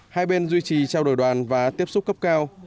hai bên duy trì trao đổi đoàn và tiếp xúc cấp cao